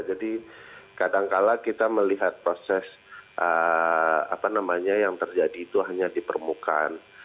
jadi kadangkala kita melihat proses apa namanya yang terjadi itu hanya di permukaan